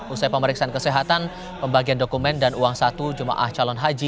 usai pemeriksaan kesehatan pembagian dokumen dan uang satu jemaah calon haji